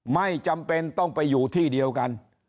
ไม่จำเป็นต้องไปอยู่ที่เดียวกัน